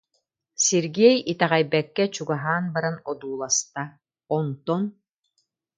Сергей итэҕэйбэккэ чугаһаан баран одууласта, онтон: